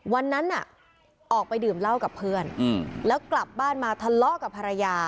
วันนั้นน่ะออกไปดื่มเหล้ากับเพื่อนแล้วกลับบ้านมาทะเลาะกับภรรยา